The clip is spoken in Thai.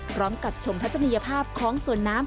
พร้อมกับชมทัศนียภาพของสวนน้ำ